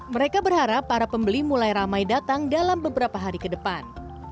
mereka berharap para pembeli mulai ramai datang dalam beberapa hari ke depan